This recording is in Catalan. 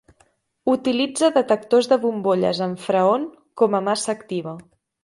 Utilitza detectors de bombolles amb Freon com a massa activa.